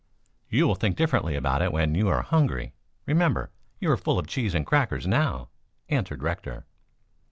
"You will think differently about it when you are hungry. Remember, you are full of cheese and crackers now," answered Rector.